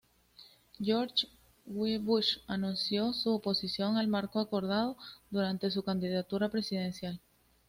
George W. Bush anunció su oposición al marco acordado durante su candidatura presidencial.